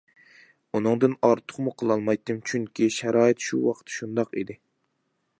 ئۇنىڭدىن ئارتۇقمۇ قىلالمايتتىم چۈنكى شارائىت شۇ ۋاقىتتا شۇنداق ئىدى.